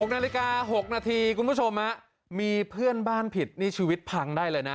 ๖นาฬิกา๖นาทีคุณผู้ชมมีเพื่อนบ้านผิดนี่ชีวิตพังได้เลยนะ